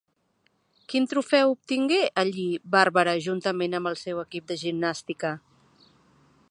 Quin trofeu obtingué allí Bárbara juntament amb el seu equip de gimnàstica?